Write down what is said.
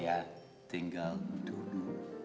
berarti tiga jam kemarin aku berheri